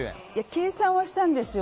計算はしたんですよ。